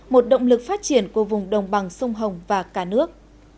một động lực phát triển của vùng đồng bằng sông hồng và cả nước